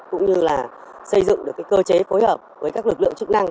cũng như là xây dựng được cơ chế phối hợp với các lực lượng chức năng